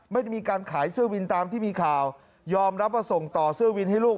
ไม่ได้มีการขายเสื้อวินตามที่มีข่าวยอมรับว่าส่งต่อเสื้อวินให้ลูก